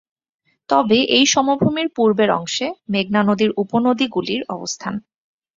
তবে এই সমভূমির পুর্বের অংশে মেঘনা নদীর উপনদীগুলির অবস্থান।